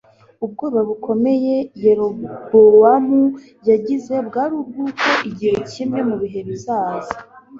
Ubwoba bukomeye Yerobowamu yagize bwari ubwuko igihe kimwe mu bihe bizaza